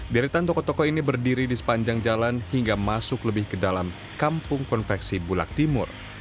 deretan toko toko ini berdiri di sepanjang jalan hingga masuk lebih ke dalam kampung konveksi bulak timur